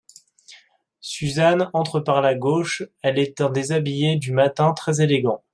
Suzanne entre par la gauche, elle est en déshabillé du matin, très élégant.